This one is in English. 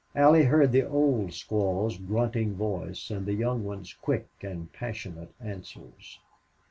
Allie heard the old squaw's grunting voice, and the young one's quick and passionate answers.